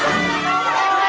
kalau begitu